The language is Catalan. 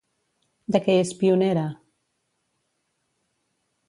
De què és pionera?